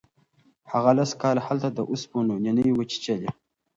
هغه لس کاله هلته د اوسپنو نینې وچیچلې.